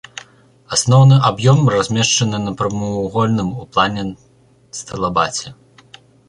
Асноўны аб'ём размешчаны на прамавугольным у плане стылабаце.